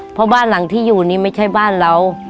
เพราะบ้านหลังที่อยู่นี่ไม่ใช่บ้านเรา